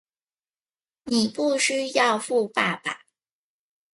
你不需要富爸爸